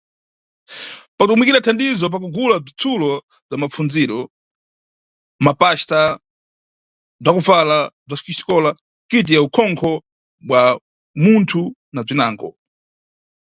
Pakutumikira thandizo pakugula bzitsulo bza mapfundziro, mapaxta, bzakubvala bza kuxikola, kiti ya ukhonkho bwa munthu, na bzinango.